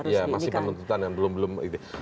ya masih penuntutan kan belum belum gitu